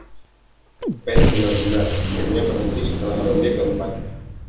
Penn benar-benar, akhirnya, berhenti setelah ronde keempat.